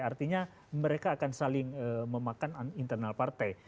artinya mereka akan saling memakan internal partai